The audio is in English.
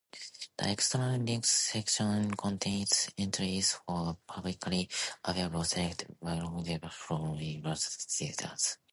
The External Links section contains entries for publicly available select bibliographies from universities.